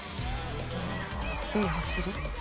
いい走り。